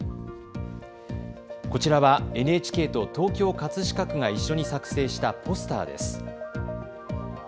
こちらはＮＨＫと東京・葛飾区が一緒に作成したポスターです。